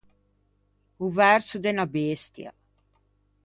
O verso de unna bestia.